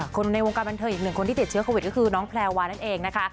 ในวงการบันเทิงอีกหนึ่งคนที่ติดเชื้อโควิดก็คือน้องแพลวานั่นเองนะคะ